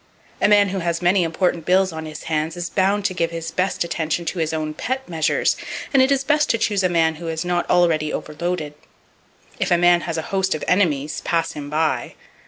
A man who has many important bills on his hands is bound to give his best attention to his own pet measures; and it is best to choose a man who is not already overloaded. If a man has a host of enemies, pass him by.